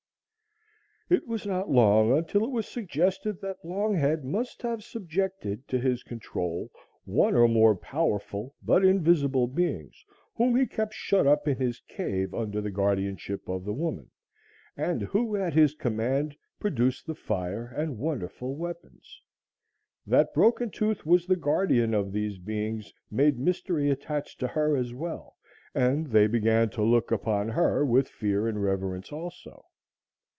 It was not long until it was suggested that Longhead must have subjected to his control one or more powerful but invisible beings whom he kept shut up in his cave under the guardianship of the woman, and who, at his command, produced the fire and wonderful weapons. That Broken Tooth was the guardian of these beings, made mystery attach to her as well, and they began to look upon her with fear and reverence also.